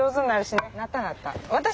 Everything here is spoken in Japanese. なったなった。